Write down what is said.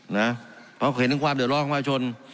นะเพราะเห็นต้องกว่าเดี๋ยวรอบของประชุน